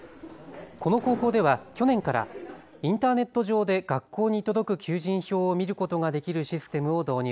この高校では去年からインターネット上で学校に届く求人票を見ることができるシステムを導入。